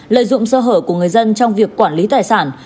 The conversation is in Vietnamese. lợi dụng sơ hở của người dân trong việc quản lý tài sản